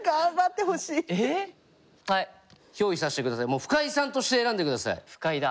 もう深井さんとして選んでください。